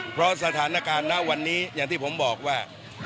เพราะสถานการณ์ณวันนี้อย่างที่ผมบอกว่า